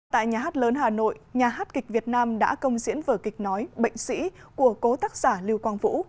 tại nhà hát lớn hà nội nhà hát kịch việt nam đã công diễn vở kịch nói bệnh sĩ của cố tác giả lưu quang vũ